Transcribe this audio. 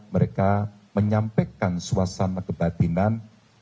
mereka menyampaikan suasana kebatinan